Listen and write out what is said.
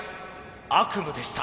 悪夢でした。